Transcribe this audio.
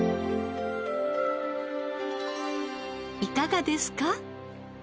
いかがですか？